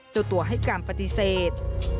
เจ้าตัวให้การปฏิเสธ